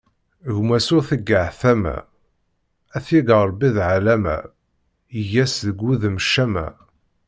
Gma s ur teggaɣ tama, ad t-yeg Ṛebbi d ɛellama, yeg-as deg wudem ccama.